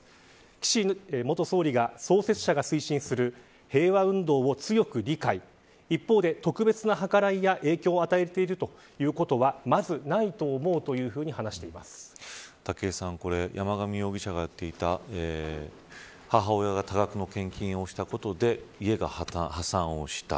岸元総理が創設者が推進する平和運動を強く理解一方で、特別なはからいや影響を与えているということはまずないと思う、というふうに武井さん山上容疑者が言っていた母親が多額の献金をしたことで家が破産をした。